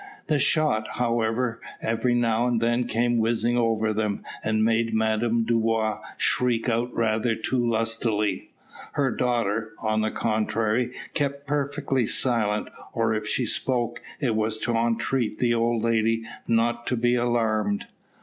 The shot, however, every now and then came whizzing over them, and made Madame Dubois shriek out rather too lustily. Her daughter, on the contrary, kept perfectly silent, or if she spoke, it was to entreat the old lady not to be alarmed.